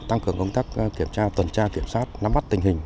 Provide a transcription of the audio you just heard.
tăng cường công tác kiểm tra tuần tra kiểm soát nắm bắt tình hình